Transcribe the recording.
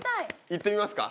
いってみますか。